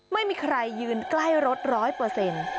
ไม่มีใครยืนใกล้รถร้อยเปอร์เซ็นต์